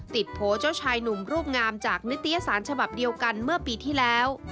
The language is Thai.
โผล่เจ้าชายหนุ่มรูปงามจากนิตยสารฉบับเดียวกันเมื่อปีที่แล้ว